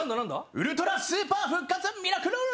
ウルトラスーパー復活ミラクルリーチ！